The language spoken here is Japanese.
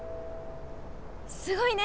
すごいね！